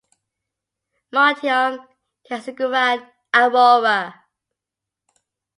Motiong, Casiguran, Aurora.